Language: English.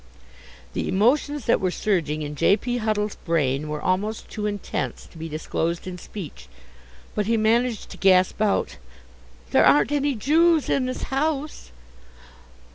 The emotions that were surging in J. P. Huddle's brain were almost too intense to be disclosed in speech, but he managed to gasp out: "There aren't any Jews in this house."